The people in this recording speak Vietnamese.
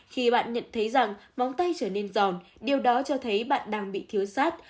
khi bạn nhận thấy rằng móng tay trở nên giòn điều đó cho thấy bạn đang bị thiếu sắt